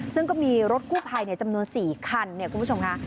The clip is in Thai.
ซึ่งก็มีรถคู่ไพรจำนวน๔คันคุณผู้ชมค่ะ